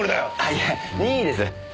いえ任意です。